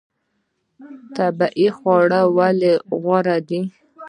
طبیعي خواړه ولې غوره دي؟